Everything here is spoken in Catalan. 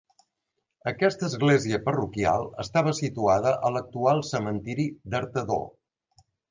Aquesta església parroquial estava situada a l'actual cementiri d'Artedó.